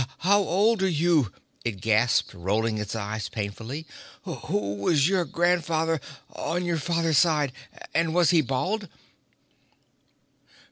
"How old are you?" it gasped rolling its eyes pitifully. "Who was your grandfather on your father's side, and was he bald?"